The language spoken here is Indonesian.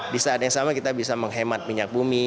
di saat yang sama kita bisa menghemat minyak bumi